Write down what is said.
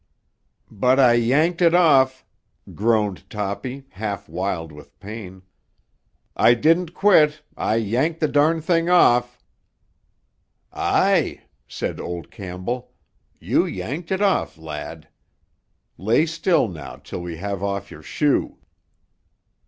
"But I yanked it off!" groaned Toppy, half wild with pain. "I didn't quit—I yanked the darn thing off!" "Aye," said old Campbell, "you yanked it off, lad. Lay still now till we have off your shoe."